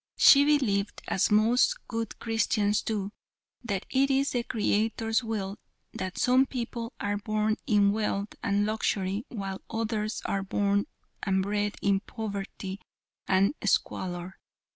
She believed, as most good Christians do, that it is the Creator's will that some people are born in wealth and luxury, while others are born and bred in poverty and squalor.